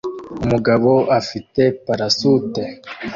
umugabo afite parasute